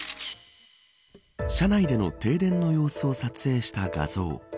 車内での停電の様子を撮影した画像。